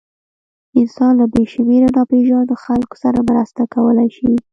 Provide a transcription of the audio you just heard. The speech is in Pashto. انسان له بېشمېره ناپېژاندو خلکو سره مرسته کولی شي.